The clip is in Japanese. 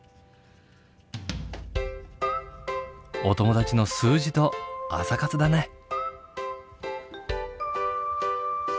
お友達の数字と朝活だね。